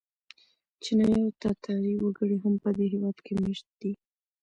چینایي او تاتاري وګړي هم په دې هېواد کې مېشت دي.